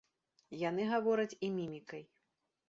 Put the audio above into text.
Яны гавораць і мімікай.